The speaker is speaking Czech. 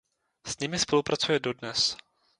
S nimi spolupracuje dodnes.